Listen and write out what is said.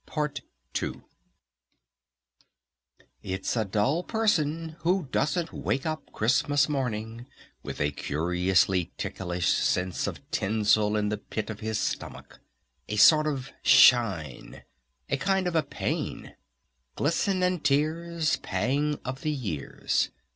PART II It's a dull person who doesn't wake up Christmas Morning with a curiously ticklish sense of Tinsel in the pit of his stomach! A sort of a Shine! A kind of a Pain! "Glisten and Tears, Pang of the years."